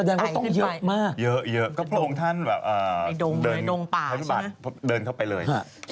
ทอนมาเยอะก็พระองค์ท่านเดินเข้าไปเลย